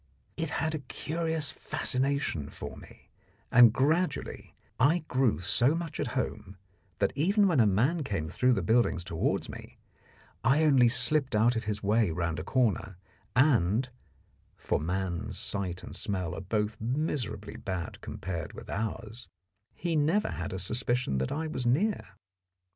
It had a curious fascination for me, and gradually I grew so much at home, that even when a man came through the buildings towards me, I only slipped out of his way round a corner, and for man's sight and smell are both miserably bad compared with ours he never had a suspicion that I was near.